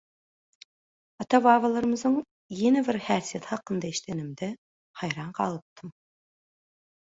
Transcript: Ata-babalarymyzyň ýene bir häsiýeti hakynda eşdenimde haýran galypdym.